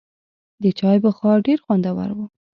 د چای بخار ډېر خوندور و.